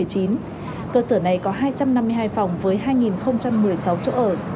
cơ sở này có hai trăm năm mươi hai phòng với hai một mươi sáu chỗ ở